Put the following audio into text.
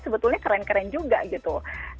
sebetulnya keren keren juga gitu